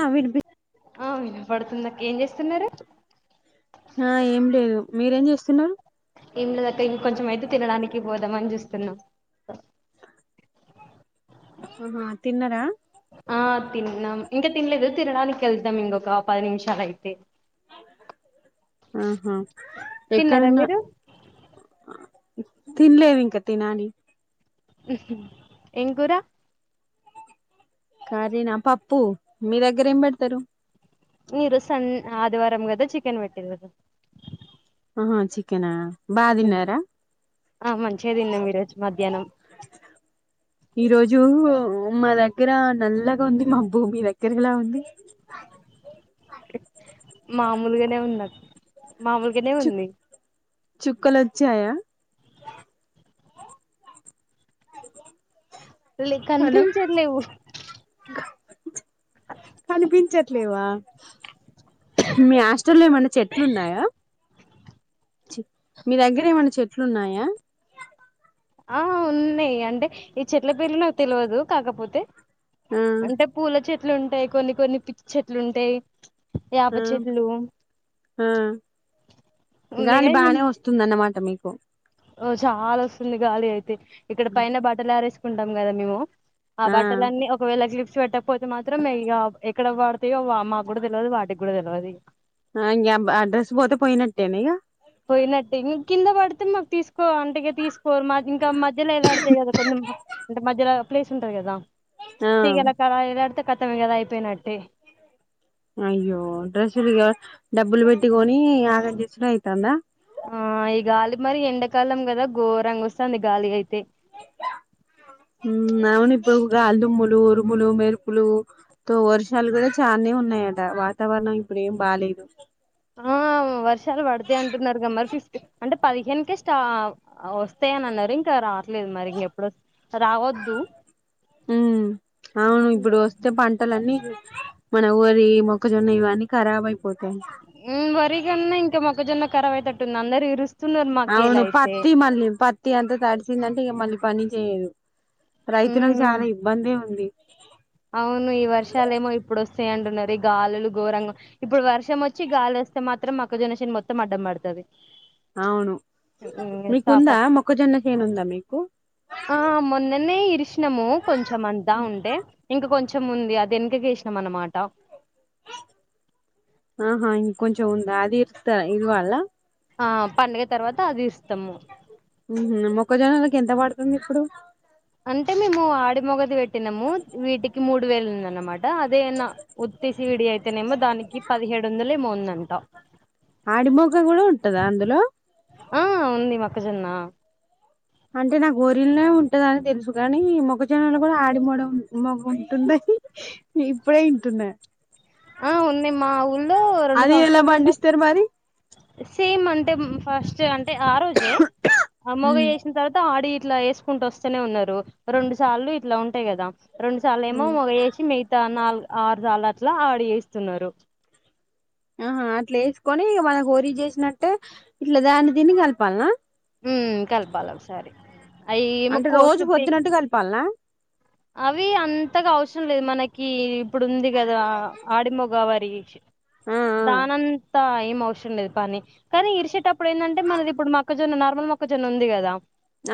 ఆ వినీపి ఆ విన పడుతుందక్క ఏం చేస్తున్నరు ఆ ఎం లేదు మీరేం చేస్తున్నరు ఏం లేదక్కా ఇంక కొంచెం అయితే తినడానికి పోదామని చూస్తున్నాము అహా తిన్నరా ఆ తిన్నాం ఇంకా తినలేదు తినడానికి ఏళ్దాం ఇంకొక పది నిమిషాలు అయితే ఆహా తిన్నారా ఎక్కడున్నా మీరు తినలేదు ఇంకా తినాలి ఎం కూరా కర్రీ నా పప్పు మీ దగ్గర ఏం పెడతరు మీరు సన్ ఆదివారం గదా చికెన్ పెట్టింరు ఆహా చికెనా బాగా తిన్నారా ఆ మంచిగా తిన్నాం ఈరోజు మధ్యాహ్నం ఈ రోజు మా దగ్గర నల్లగా ఉంది మబ్బు మీ దగ్గర ఎలా ఉంది మామూలుగానే ఉంది అక్కా మామూలుగనే చు ఉంది చుక్కలు వచ్చాయా లే హలో కనిపించట్లేవు కానీ పించట్లేవా మీ హాస్టల్ ల్ల ఏమన్నా చెట్లు ఉన్నాయా మీ దగ్గర ఏమైనా చెట్లు ఉన్నాయా ఆ ఉన్నాయి అంటే ఈ చెట్ల పేర్లు నాకు తెలివదు కాకపోతే ఆ అంటే పూల చెట్లు ఉంటయి, కొన్ని కొన్ని పిచ్చి చెట్లు ఉంటయి ఆ యాప చెట్లు ఆ ఉన్నాయి గాలి కానీ బానే వస్తుందన్నమాట మీకు ఓ చాలా వస్తుంది గాలి అయితే ఇక్కడ పైన బట్టలు ఆరేసుకుంటాం కదా మేము ఆ బట్టలన్నీ ఒకవేళ క్లిప్ స్ పెట్టక పోతే మాత్రం ఇగ ఎక్కడ పడతాయో మాకు కూడా తెలవదు వాటికి కూడా తెలవదు ఇగ అ డ్రస్ పోతే పోయినట్టేనా ఇగ పోయినట్టే ఇగ కింద పడితే మాకు తీసుకో అంటే ఇగా తీసుకోరు మా ఇంకా మధ్యలో ఎలాడతయి కదా కొంత అంటే మధ్యలో ప్లేస్ ఉంటది కదా ఆ తీగలకాడ ఎలాడితే కతం ఇగా అది అయిపోయినట్టే అయ్యో డ్రెస్సులు ఇగా డబ్బులు పెట్టికొని ఇగ ఆగం చేసుడు అయి తాందా ఆ ఈ గాలి మరి ఎండకాలం కదా ఘోరంగా వస్తుంది గాలి అయితే ఉమ్మ్ అవును ఇప్పుడు గాలి దుమ్ములు ఉరుములు మెరుపులు తో వర్షాలు కూడా చాలానే ఉన్నాయి కదా వాతావరణం ఇప్పుడు ఏం బాలేదు ఆ వర్షాలు పడితాయ్ అంటున్నారు కద మరి ఫిఫ్టీ అంటే పదిహేనుకే స్టా వ వస్తాయనన్నారు ఇంకా రావట్లేదు మరి ఇంకెప్పుడు రావద్దు హ్మ్ ఆ ఇప్పుడు వస్తే పంటలు మన ఊరి మొక్కజొన్న ఇవన్నీ కరాబ్ అయి హ్మ్ వరికన్నా ఇంకా మొక్కజొన్న ఖరాబ్ అయితట్టుంది అందరు విరుస్ అవును పత్తి మళ్ళీ పత్తి అంత తడిచందంటే ఇగ మళ్ళీ పని చేయదు రైతులకు ఉమ్ చాలా ఇబ్బందే ఉంది అవును ఈ వర్షాలలేమో ఇప్పుడు వస్తాయింటున్నారు గాలులు ఘోరంగం ఇప్పుడు వర్షం వచ్చి గాలి వస్తే మాత్రం మొక్కజొన్న చేను మొత్తం అడ్డం పడతాది అవును మీకుందా పాపం మొక్కజొన్నచేనుందా మీకు ఆ మొన్ననే ఇరిసినము కొంచం అంతా ఉంటే ఇంక కొంచం ఉంది అది వెనకకేసినం అనమా ఆహా ఇంకొంచం ఉంద అది ఇత ఇవాలా ఆ పండగ తర్వాత అది ఇస్ హ్మ్ హు మొక్కజొన్న కి ఎంత పడుతుంది ఇప్పుడు అంటే మేము ఆడి మొగది పెట్టినాము వీటికి మూడు వేలు ఉంది అన్నమా ట అదే అన్న ఉత్తి సీడి అయితేనేమో దానికి పదిహేడు వందలే ఏమో ఉంద అంటా ఆడి మొగ కూడా ఉంటదా అందులో ఆ ఉంది మొక్కజొన్న ఆ అంటే నాకు వోరిలోనే ఉంటదని తెలుసు కాని మొక్కజొన్నలు కూడా ఆడి మడ మొగ ఉంటుంద ఇప్పుడే ఇంటున్న ఆ ఉంది మా ఊళ్ళో రెండు అది ఎలా సంవత్సరాల నుండే పండిస్తారు మరి సేమ్ అంటే ఫస్ట్ అంటే ఆ రోజే మొగ చేసిన తర్వాత ఆడి ఇట్లా వేసుకుంటూ వస్తనే ఉన్నారు రెండు సార్లు ఇట్లా ఉంటాయి కదా రెండు సార్లు ఏమో ఉమ్ మగ వేసి మిగతా నాలుగు ఆరు సార్లు అట్లా ఆడి చేస్తున్నారు ఆహా అట్లా వేసుకొని ఇక మన వోరి చేసినట్టే ఇట్లా దాన్ని తిని కలపాలనా హ్మ్ కలపాల ఒక సారి అవి ఏమో అంటే రోజు కోసు పి పొద్దునట్టు కలపాలనా అవి అంతగా అవసరం లేదు మనకి ఇప్పుడు ఉంది కదా ఆడిమగ వై ఆ ఆ దానం తా ఏం అవసరం లేదు పని కానీ ఇరిసేటప్పుడు ఏందంటే మనది ఇప్పుడు మొక్కజొన్న నార్మల్ మొక్కజొన్న ఉంది గదా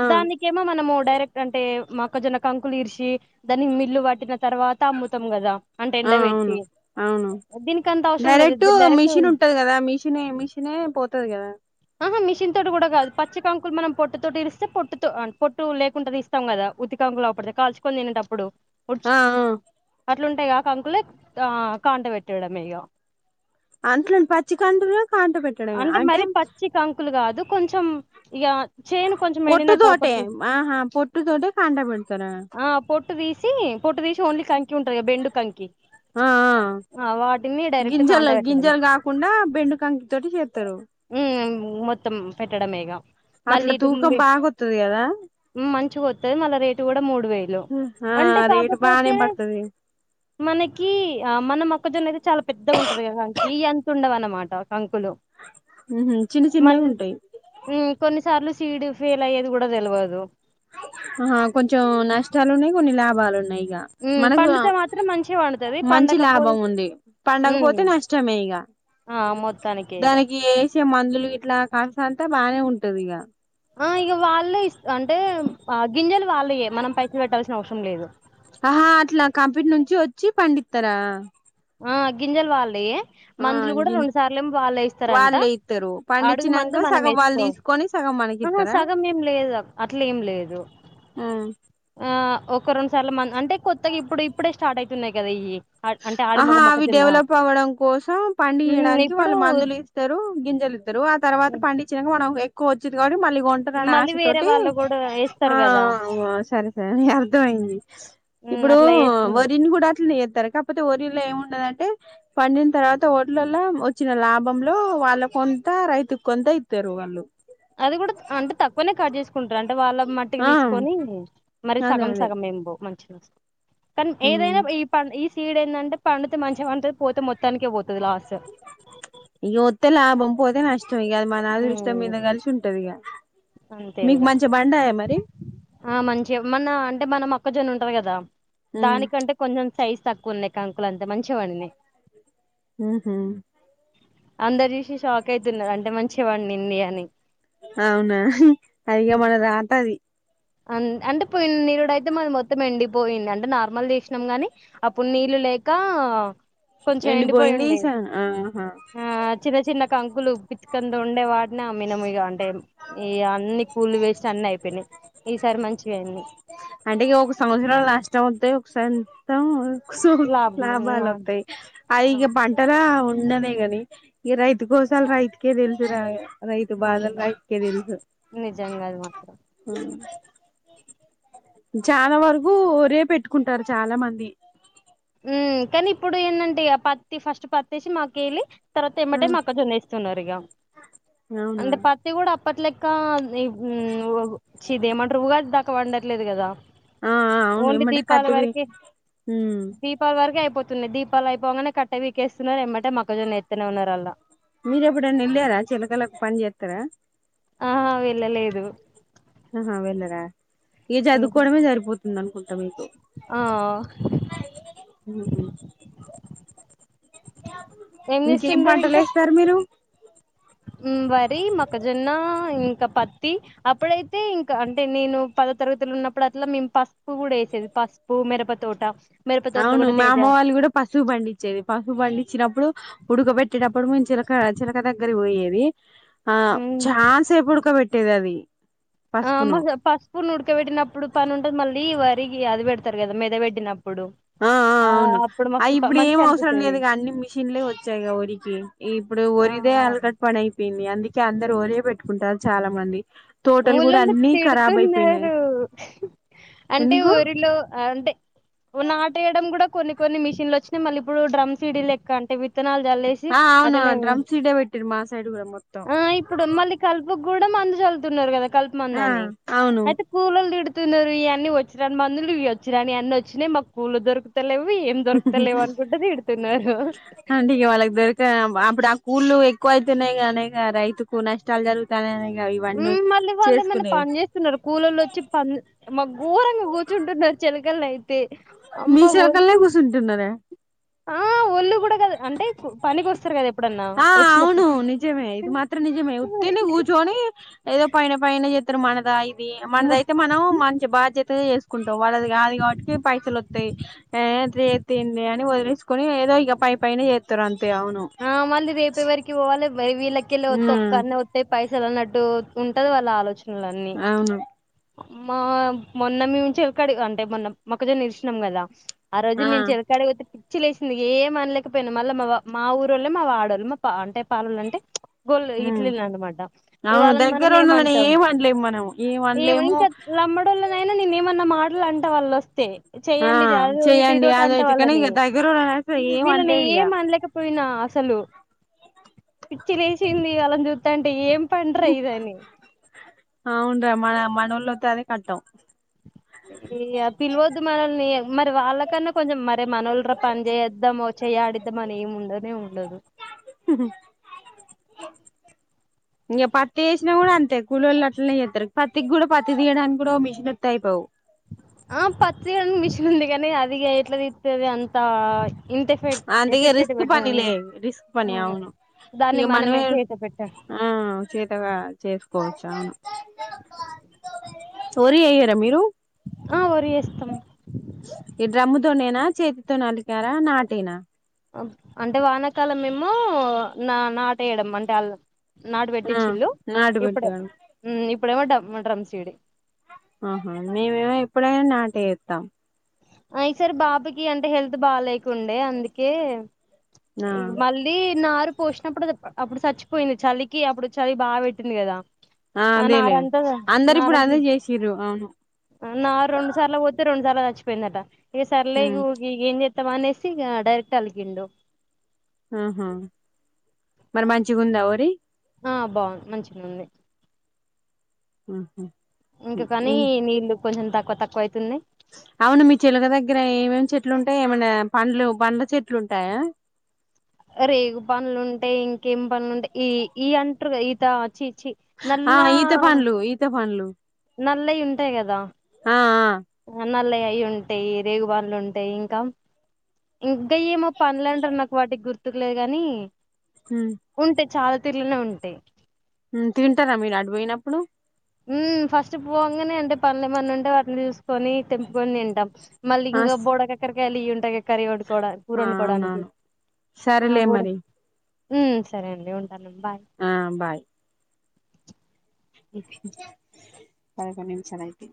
ఆ దానికేమో మనము డైరెక్ట్ అంటే మొక్కజొన్న కంకులు ఇరిసి దాన్ని మిల్లు పట్టిన తర్వాత అమ్ముతాం కదా అంటే ఆ ఎండ పెట్టి అవును అవును దీనికి అంత అవసరం లేదు డైరెక్ట్ డైరెక్ట్ మిషన్ ఉంటది కదా మిషినే మిషినే పోతది కదా ఆహా మిషన్ తోటి కూడా కాదు పచ్చ కంకులు మనం పొట్టు తోటి ఇరిస్తే పొట్టుతో పొట్టు లేకుండా తీస్తాం కదా ఉతి కంకులఅప్పుడుది కాల్చకొని తినేటప్పుడు ఆ ఆ ఎట్లుంటాయి కా కంకులే ఆ కాంట పెట్టడం ఇగ అట్లుం పచ్చి కంటురు అంటే మరి పచ్చి కంకులు కాదు కొంచం ఇగ చేను కొంచం పొట్టు ఎండినట్టు తోటే [unintelligible] ఆహా పొట్టు తోటే కాంట పెడతారా ఆ పొట్టు తీసి సి పొట్టు తీసి ఓన్లీ కంకి ఉంటాది కదా బెండు కంకి ఆ ఆ ఆ వాటిని డైరెక్ట్ కాంట గింజలు పెట్టడం గింజలు కాకుండా బెండు కంకి తోటి చేత్తరు ఉమ్ మొత్తం పెట్టడమేగా అట్లా మళ్ళీ తూకం డుంబె బాగొత్తది కదా హ్మ్ మంచిగా వో వస్తది మళ్ళ రేటు కూడా మూడు వేలు ఆ రేటు బానే పడతది మనకి ఆ మన మొక్కజొన్న అయితే చాలా పెద్దగా ఉంటది కదా ఈ అంత ఉండదు అన [unintelligible] ఉహు చిన్న మల్ చిన్నవి ఉంటాయి హ్మ్ కొన్ని సార్లు సీడ్ ఫెయిల్ అయ్యేది కూడా తెలవదు ఆహ కొంచం నష్టాలు ఉన్నాయి కొన్ని లాభాలు ఉన్నాయి ఇగ హ్మ్. మనకు పండితే మాత్రం మంచిగ పండుతది. మంచి పండకపోతే లాభం ఉంది హ్మ్. పండకపోతే నష్టమే ఇగ ఆ! మొత్తానికే ఇగ. దానికి వేసే మందులు ఇట్లా కాస్తంటే బానే ఉంటది ఇగ ఆ ఇగ వాళ్ళే ఇస్ అంటే ఆ గింజలు వాళ్ళయే మనం పైసలు కట్టాల్సిన అవసరం లేదు అహా అట్లా కంపిన్ నుంచి వచ్చి పండిత్తరా ఆ గింజలు వాళ్ళయే మందులు కూడా రెండు సార్లేమో వాళ్ళే ఇస్తరంట వాళ్ళే ఇస్తారు అడుగు పండించినాక మందు మనం సగం వాళ్ళు వేసుకో తీసుకొని సగం మనకి అహ ఇస్తారా సగం ఏం లేదు అట్లేం లేదు ఊ ఆహ్, ఒక రెండు సార్లు మంది అంటే కొత్తగా ఇప్పుడు ఇప్పుడే స్టార్ట్ అయితున్నాయి కదా ఇయ్యి అంటే ఆడి ఆహా మగ అవి మొక్కజొన్న. డెవలప్ అవ్వడం కోసం హ్మ్. పండీయడానికి ఇప్పుడు వాళ్ళు మందులు ఇస్తరు గింజలు ఇస్తరు ఆ తర్వాత హ్మ్. పండిచ్చినక మనం ఎక్కువ వచ్చిది కా మళ్ళి కొంటరని మళ్ళీ వేరే ఆశతోటి వాళ్ళు గూడా ఆ ఏస్తారు ఆ గదా! అవ్ సరే సరే లే అర్థం అయింది హ్మ్. ఇప్పుడూ అట్లా ఏస్తున్నారు. వరిని కూడా అట్లనే చే పోతే వరిలో ఏముండదంటే పండిన తర్వాత ఓడ్లల్ల వచ్చిన లాభం లో వాళ్ళ కొంత ఆ రైతుక్ కొంత ఇత్తరు వాల్లు ఉంటారు అంటే వాళ్ళ మట్టికి ఆ తీసుకొనీ మరి అదే సగం అదే సగం ఏం పోవ్ మంచినె వస్తై కాని ఏదైనా ఈ పన్ ఈ సీడ్ ఏందంటే పండుతే మంచిగ పంతది పోతే మొత్తానికే పోత్ ఇగ ఒత్తె లాభం పోతె నష్ ఇగ అది మన అదృష్టం ఉమ్ మీద కలిసి ఉంటది ఇగ అంతే ఇగ ఆ మంచిగ మన అంటే మనం అ ఒక్కజొన్న ఉంటది కదా దానికంటే కొంచెం సైజ్ తక్కువన్నాయి కంకులు అంతే మంచిగ వండినయ్ ఊహు అందరు చూసి షాక్ అయితున్నారు అంటే మంచివాడింది అని అవునా అయ్య మన రాత అది అన్ అంటే పోయిన నిరుడు అయితే మా మొత్తం ఎండిపోయింది అంటే నార్మల్ చేసినం కానీ అప్పుడు నీళ్ళు లేకా కొంచెం ఎండిపోయింది ఎండిపోయిండే ఈసా ఆహా ఆ చిన్న చిన్న గుల్లు పితికంత ఉండే వాట్ న అమ్మినము ఇగ అంటే ఈ అన్ని కూళ్ళు వేస్ట్ అన్ని అయిపోయినయి అంటే ఇగ ఒక సంవత్సరం నష్టం ఒత్తాయి ఒక సారి మొత్తం సో లాభం లాభాలు ఒత్తాయి అవి ఇగ పంట రావు ఇన్ననే గాని ఈ రైతు గోసాలు రైతుకే తెలుసురా రైతు అవును బాధలు రైతుకే తెలుసు నిజంగా అది మాత్రం చాలా వరకు వరే పెట్టుకుంటారు చాలా మంది ఊ కానీ ఇప్పుడు ఏందంటే ఆ పత్తి ఫస్ట్ పత్తి తీసి మాకేళ్ళి తర్వాత ఆ ఎమ్మటే మక్కజొన్న ఏస్తున్నారు ఇగ అవునా అంటె పత్తి కూడా [unintelligible] ఆ ఆ అవును ఓండ్లి ఎమ్మటే దీపాలి కత్తి పీ వరకే ఉమ్ దీపాళి వరకే అయిపోతున్నాయి దీపాలు అయిపోంగనే కట్ట వీకేస్తున్నారు ఏమ్మటే మక్కజొన్న ఎత్తనే ఉన్నారు అల్లా మీరు ఎప్పుడైనా వెళ్ళారా చెలకలకు పని చేస్తారా ఆహా వీళ్ళ లేదు అహా వెళ్ళరా ఇగ ఉహు చదువుకోవడమే సరిపోతుంది అనుకుంట ఆ [inaudible] ఏం ఇంకేం చేస్తుండరు పంటలు ఏస్తారు మీరు ఉం వరి మొక్కజొన్న ఇంక పత్తి అప్పుడైతే ఇంక అంటే నేను పదో తరగతిలో ఉన్నప్పుడు అట్లా మేము పసుపు కూడా వేసేది పసుపు పూ మిరప తోట మిరప తోటలో అవును కూడా మా తేజ అమ్మ వాళ్ళు కూడా పసుపు పండిచ్చేది పసుపు పండిచ్చినప్పుడు ఉడక పెట్టేటప్పుడు మేం చిర చిలక చిలక దగ్గర పోయేది ఆ మ్ చాసేపు ఉడకబ పెట్టేది అది ఆ పసుపును పసుపును ఉడికబెట్టినప్పుడు పని ఉంటది మళ్ళీ వరి అది పెడతారు కదా మెద పెట్టినప్పుడు ఆ అవును అప్పుడు అ మస్తు ఇప్పుడు ఏం మంచిగా అవసరం అనిపిస్తది లేదుగా అన్ని మిషన్లే వచ్చాయి వరికి ఈ ఇప్పుడు ఆ ఒరిదే అలకట్ పని అయిపోయింది అందుకే అందరు ఒరియే పెట్టుకుంటారు చాలా మంది తోటలు కూడా ఊళల్లో అన్ని ఖరాబ్ అయిపోయినాయి తిడుతున్నారు అంటే ఎందుకు ఊరిలో అంటే నాటేఏయడం కూడా కొన్ని కొన్ని మిషన్లు ఒచ్చినై మళ్ళీ ఇప్పుడు డ్రమ్స్ సిడీ లెక్క అంటే విత్ విత్తనాలు చల్లేసి ఆ అవును అతను డ్రమ్ సీడే పెట్టిరు మా సైడ్ కూడా మొత్తం ఇప్పుడు ఆ మళ్ళీ కలుపు కూడా మందు చల్తున్నారు కదా కలుపు మంద ఆ అని అవును అయితే కూలోళ్ళు తిడు తున్నారు ఇయన్ని వచ్చినరాని మందులు ఇవి ఒచ్చినాని అన్ని ఒచ్చినై మాకు కూళ్ళు దొరుకుతలేవు వి ఏం దొరుకుతలేవ అనుకుంట తిడుతున్నారు. ఇప్పుడు ఆ కూళ్ళలు ఎక్కువ ఆయుతున్నాయిగా అనే గా రైతుకు నష్టాలు జరుగుతాయినే గా ఉమ్ వాళ్ళు ఏమన్నా పని చేస్తున్నారా కూలోల్లు వచ్చి ప మ ఘోరంగా కూర్చుంటున్నారు చెలి మీ సోకల్నే గుసున్ టున్నారే ఆ ఒళ్లు ఇప్పుడు గాదు అంటే పనికి వస్తారు కదా ఎప్పుడన్నా ఆ అవును వచ్చినప్పుడు. చోని ఏదో పైన పైనే చెత్తరు మనదయి ము మనదైతే మనం మంచి బాధ్యతగా చేసుకుంటాం వాళ్ళ గాదు కాబట్టికి పైసలు ఒత్తయి ఎంతచేతే ఏంది అని వదిలిసుకొని ఏదో ఇగ పై పైన చేత్తారు అంత ఆ మళ్ళీ రేపేవరకి పోవాలి వీళ్ళకి కెళ్ళే ఒత్తే ఉమ్ ఒక్కన్నే ఒతైయి పై పైసలాన్నట్టు ఉంటది వాళ్ళ ఆలోచనలన్నీ అవును మా మొన్న మేము చెలక్కాడ అంటే మొన్న మొక్కజన్న ఇరిశినం కదా. ఆ రోజు నేను చెలకాడిగితే పిచ్చి లేసింది ఏం అనలేకపోనా మళ్ళ మావా మా ఊరోళ్లు మా వాడోళ్ళు మా అంటే మా పాలోళ్ళు అంటే గోళ ఉమ్ ఇట్లలు అనమాట అవును ఇవాళ్ళని మనం దగ్గర ఉన్నోళ్ళని ఏమంటాం ఏం అనలేము మనం ఏం ఏమా అనలేము ఇంకా తమ్మడోళ్ళనైనా నేను ఏమన్నా మాటలు అంటా వాళ్ళు వస్తే. ఆ చెయండి జదు ఇటు చెయ్యండి ఇదోటి అంట అదైతే కానీ వాళ్ళని ఇక దగ్గరోళ్ళని అయితే ఏం వీళ్ళని అనలేదు ఇక ఏం అనలేకపో పోయినా అసలు పిచ్చి లేశింది వాళ్ళని జూతంటే అంటే ఏం పండ్రా ఇదనే మనవుతో అదే కట్టం ఇయ్య పిలవద్దు మనల్ని మరి వాళ్ళకన్నా కొంచెం మరి మనోళ్లు రా పని చేద్దాం వచ్చ చేయాడిద్దమని ఉండనే ఉండదు హ [inaudible] ఇంగ పత్తి ఏసినా కూడా అంతే కూలీళ్ళ అట్లనే చేత్తరు పత్తికి కూడా పత్తి తీయడానికి కూడా మిషన్ ఒత్త అయిపోవు ఆ పత్తి తీయడానికి మిషన్ ఉంది కానీ అదిగ ఎట్లతీ సత్తది అంతా అంతగ రిస్క్ పనిలే రిస్క్ పని అవును దాన్ని ఇగ మనమే చేత పెట్టాలి ఆ చతగా చేసుకోచ్చు ఆ ఒరి ఎయ్యార మీరు ఆ ఒరి ఎస్తమ్ ఈ డ్రమ్ముతోనేనా చేతితో నలికారా నాటేనా అంటే వానకాలం మేమో నా నాటేయడం అంటే అల్ నాటు పెట్టి ఆ చిల్లు నాటు ఇప్పుడ పెట్టారు ఇప్పుడేమోడ్రమ్ సిడి ఆహా మేమేమో ఎప్పుడైనా నాటేఏత్తం అయిసరి పాపకి కి అంటే హెల్త్ బాలేకుండే అందుకే ఆ మళ్ళీ నారు పోసినప్పుడు అప్పుడు చచ్చిపోయింది చలికి అప్పుడు చలి బాగా పెట్టింది కదా!? ఆ అదేలే అందరిప్పుడు నారంతా అదే చేశిరు అవును నారు రెండు సార్లుల పొత్తే రెండుసాల పోయిందట ఇగ సర్లే ఉమ్ యుగే ఏం చేస్తామ అనేసి డైరెక్ట్ అలిగిండు ఆహ మరి మంచిగుందావరి ఆ బాగు మంచిగా ఉంది. ఆహ ఇంకా కాని నీళ్ళలు కొంచెం తక్కువ తక్కువ ఆయుతున్నాయ్ అవును మీ చెలుక దగ్గర ఏమేమి చెట్లు ఉంటాయి ఏమైనా పండ్లు పండ్ల చెట్లు ఉంటాయా. రేగు పనులుంటాయి ఇంకేం పనులుంటాయి ఈ ఈ అంటారు ఈత చ న ఆ ఈత పండ్లు ఈత పండ్లు నల్లయి ఉంటాయి కదా ఆ ఆ నల్ల అవి ఉంటాయి రేగుబంలు ఉంటాయి ఇంకా ఇంకా ఏమో పనులు అంటారు నాకు వాటికి గుర్తుకు లేదు కాని ఉమ్ ఉంటే చాలా తిల్లలో ఉంటేయి తింటారా మీరు ఆడిపోయినప్పుడు ఫస్ట్ పోగానే అంటే పనుల మన్న ఉంటే వాటిని చూసుకో కొని తెంపుకొని తంటాం మళ్ళీ ఆ ఇంకా బోడక ఎక్కడిక వెళి ఉంటగా కర్రీ వట్టుకోవడా కూర వండుకోవడానికి అవునవును ఆ సరేలే బూడ మరి సరే అండి ఉంటాను బాయ్ పదకడు నిమిషాలుయితే